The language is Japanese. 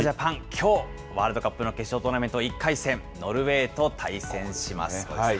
きょう、ワールドカップの決勝トーナメント１回戦、ノルウェーと対戦します。